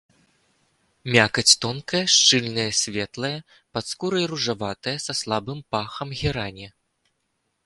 Мякаць тонкая, шчыльная, светлая, пад скуркай ружаватая, са слабым пахам герані.